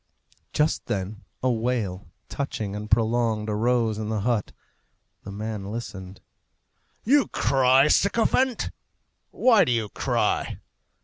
Just then a wail, touching and prolonged, arose in the hut. The man listened. "You cry, sycophant! Why do you cry?"